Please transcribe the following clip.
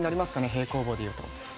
平行棒とかでいうと。